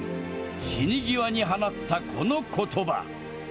死に際に放ったこのことば。